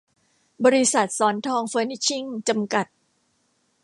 บริษัท ศรทองเฟอนิชชิ่ง จำกัด